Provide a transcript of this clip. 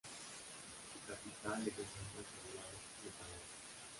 Su capital es el centro poblado de Cabana.